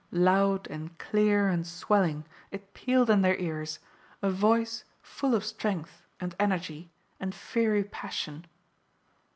Loud and clear and swelling, it pealed in their ears a voice full of strength and energy and fiery passion.